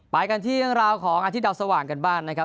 ไปกันที่ราวของอาทิตย์ดาวสว่างกันบ้านนะครับ